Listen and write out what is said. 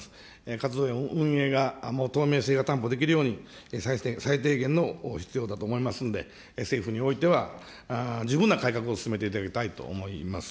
活動や運営が透明性が担保できるように、最低限、必要だと思いますので、政府においては、十分な改革を進めていただきたいと思います。